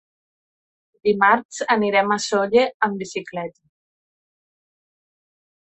Dimarts anirem a Sóller amb bicicleta.